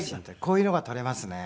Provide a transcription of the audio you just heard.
こういうのが採れますね。